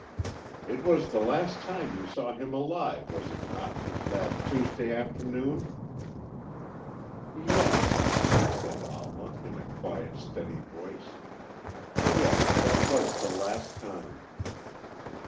"It was the last time you saw him alive, was it not? That Tuesday afternoon?" "Yes," said Alma, in a quiet, steady voice. "Yes, that was the last time."